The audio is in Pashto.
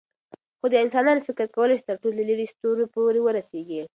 خو د انسان فکر کولی شي تر ټولو لیرې ستورو پورې ورسېږي.